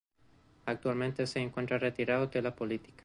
Actualmente se encuentra retirado de la política.